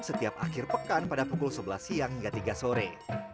setiap akhir pekan pada pukul sebelas siang hingga tiga sore